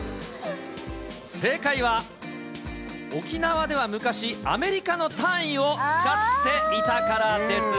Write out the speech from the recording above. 正解は、沖縄では昔、アメリカの単位を使っていたからです。